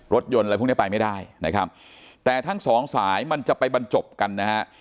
รถยนต์อะไรพวกนี้ไปไม่ได้นะครับแต่ทั้งสองสายมันจะไปบรรจบกันนะฮะ